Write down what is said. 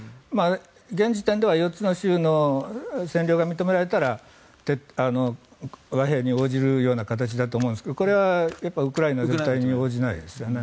現時点では４つの州の占領が認められたら和平に応じるような形だと思うんですがこれはウクライナは応じないですよね。